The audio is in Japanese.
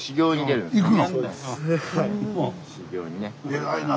偉いな。